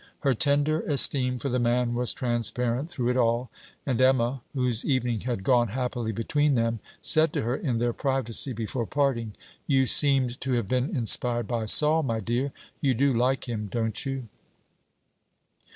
Her tender esteem for the man was transparent through it all; and Emma, whose evening had gone happily between them, said to her, in their privacy, before parting: 'You seemed to have been inspired by "Sol," my dear. You do like him, don't you?'